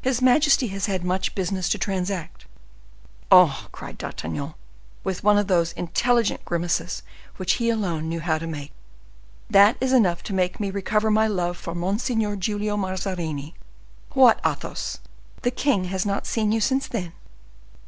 "His majesty has had so much business to transact." "Oh!" cried D'Artagnan, with one of those intelligent grimaces which he alone knew how to make, "that is enough to make me recover my love for Monseigneur Giulio Mazarini. What, Athos! the king has not seen you since then?"